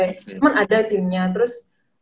cuman ada timnya terus